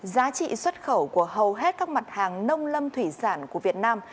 giá trị xuất khẩu của hầu hết các mặt hàng nông lâm thủy sản của việt nam